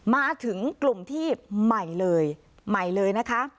มาถึงกลุ่มที่ใหม่เลย